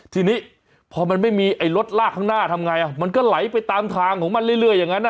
ทีนี้พอมันไม่มีไอ้รถลากข้างหน้าทำไงมันก็ไหลไปตามทางของมันเรื่อยอย่างนั้น